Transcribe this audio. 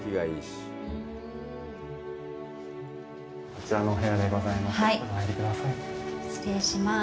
こちらのお部屋でございます。